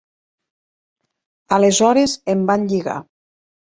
Aleshores em van lligar.